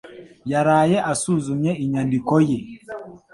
yaraye asuzumye inyandiko ye